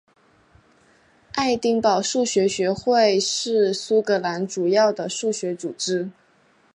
爱丁堡数学学会是苏格兰主要的数学组织。